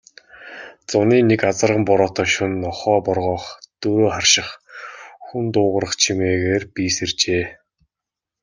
Зуны нэг азарган бороотой шөнө нохой боргоох, дөрөө харших, хүн дуугарах чимээгээр би сэржээ.